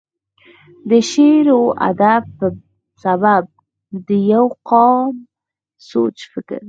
دَ شعر و ادب پۀ سبب دَ يو قام سوچ فکر،